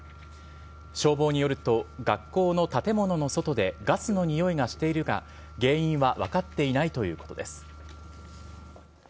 消防によると、学校の建物の外でガスのにおいがしているが、原因は分かっていないということです。